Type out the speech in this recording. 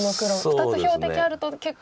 ２つ標的あると結構。